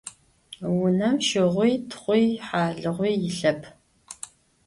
Vunem şığui, txhui, halığui yilhep.